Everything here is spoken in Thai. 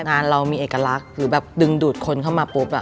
งานเรามีเอกลักษณ์หรือแบบดึงดูดคนเข้ามาปุ๊บ